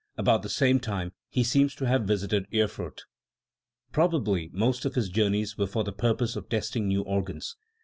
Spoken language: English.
About the same time he seems to have visited Erfurt. Probably most of his journeys were for the purpose of testing new organs.